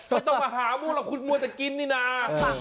ก็ต้องมาหามุกล่ะคุณมัวแต่กินนี่นา